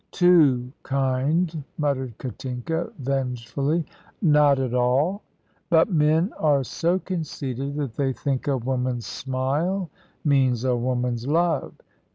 "Too kind," muttered Katinka, vengefully. "Not at all. But men are so conceited that they think a woman's smile means a woman's love.